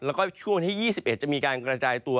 แล้วก็ช่วงวันที่๒๑จะมีการกระจายตัว